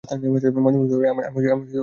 ময়মনসিংহ শহরে আমি নতুন বাড়ি করেছি।